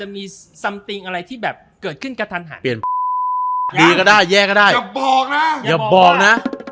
มีอะไรที่แบบเกิดขึ้นกระทันหัน